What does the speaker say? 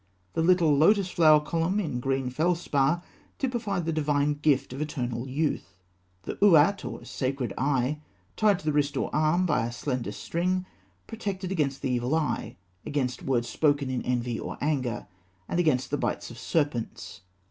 The little lotus flower column in green felspar (fig. 212) typified the divine gift of eternal youth. The "Ûat," or sacred eye (fig. 213), tied to the wrist or the arm by a slender string, protected against the evil eye, against words spoken in envy or anger, and against the bites of serpents.